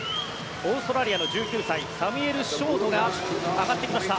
オーストラリアの１９歳サミュエル・ショートが上がってきました。